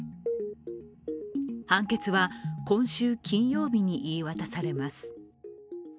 判決は今週金曜日に言い渡されます。